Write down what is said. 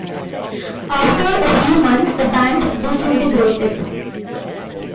After a few months the band disintegrated.